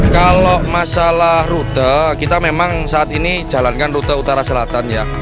kalau masalah rute kita memang saat ini jalankan rute utara selatan ya